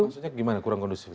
maksudnya gimana kurang kondusif